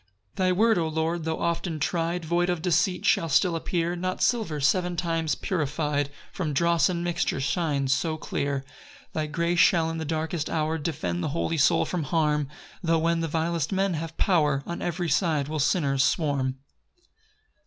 6 Thy word, O Lord, tho' often try'd, Void of deceit shall still appear Not silver, seven times purify'd From dross and mixture, shines so clear. 7 Thy grace shall in the darkest hour Defend the holy soul from harm; Tho' when the vilest men have power On every side will sinners swarm.